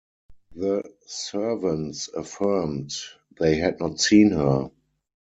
The servants affirmed they had not seen her.